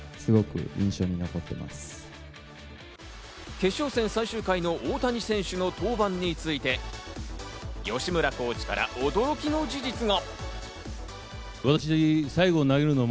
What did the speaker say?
決勝戦最終回の大谷選手の登板について、吉村コーチから驚きの事実が。